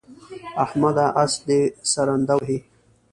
احمده! اس دې سرنده وهي.